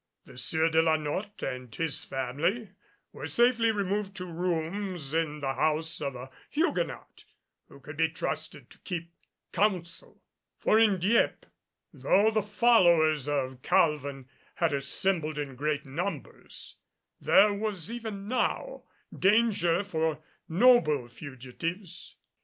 The Sieur de la Notte and his family were safely removed to rooms in the house of a Huguenot, who could be trusted to keep counsel; for in Dieppe, though the followers of Calvin had assembled in great numbers, there was even now danger for noble fugitives.